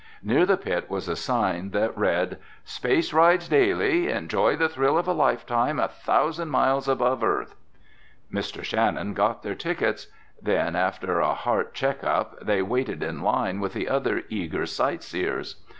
Near the pit was a sign that read: SPACE RIDES DAILY. ENJOY THE THRILL OF A LIFETIME A THOUSAND MILES ABOVE EARTH. Mr. Shannon got their tickets. Then after a heart check up they waited in line with the other eager sight seers.